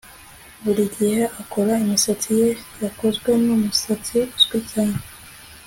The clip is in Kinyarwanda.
Buri gihe akora imisatsi ye yakozwe numusatsi uzwi cyane